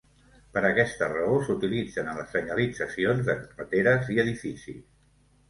Per aquesta raó, s'utilitzen en les senyalitzacions de carreteres i edificis.